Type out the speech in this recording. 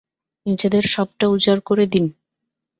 নিজেদের সবটা উজার করে দিন।